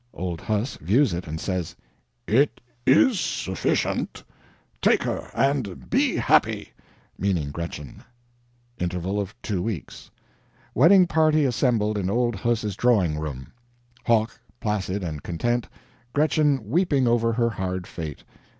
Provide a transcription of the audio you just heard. Old Huss views it and says, "It is sufficient take her and be happy," meaning Gretchen. [Interval of two weeks.] Wedding party assembled in old Huss's drawing room. Hoch placid and content, Gretchen weeping over her hard fate.